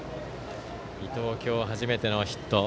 伊藤、今日初めてのヒット。